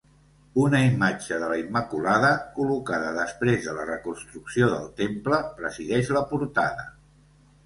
Una imatge de la Immaculada, col·locada després de la reconstrucció del temple, presideix la portada.